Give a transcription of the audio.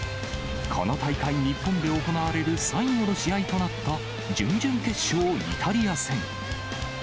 この大会、日本で行われる最後の試合となった準々決勝、イタリア戦。